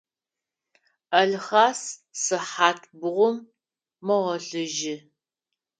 Алхъас сыхьат бгъум мэгъолъыжьы.